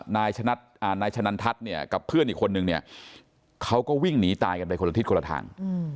นายชะนันทัศน์เนี่ยกับเพื่อนอีกคนนึงเนี่ยเขาก็วิ่งหนีตายกันไปคนละทิศคนละทาง